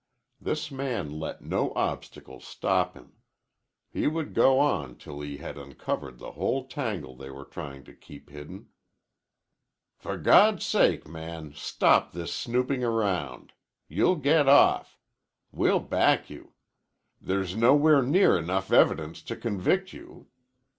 This man let no obstacles stop him. He would go on till he had uncovered the whole tangle they were trying to keep hidden. "For God's sake, man, stop this snooping around! You'll get off. We'll back you. There's nowhere nearly enough evidence to convict you.